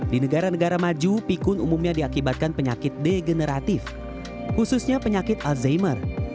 di negara negara maju pikun umumnya diakibatkan penyakit degeneratif khususnya penyakit alzheimer